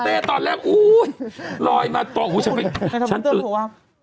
เต้เต้ตอนแรกอู้ยรอยมาปลูกมาฉันเป็น